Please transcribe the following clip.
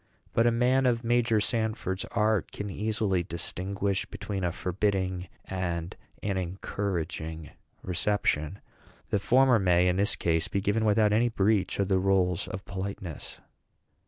But a man of Major Sanford's art can easily distinguish between a forbidding and an encouraging reception. The former may, in this case, be given without any breach of the rules of politeness."